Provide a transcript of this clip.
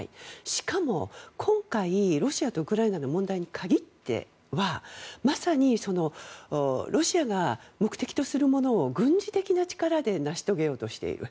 しかも、今回、ロシアとウクライナの問題に限ってはまさにロシアが目的とするものを軍事的な力で成し遂げようとしている。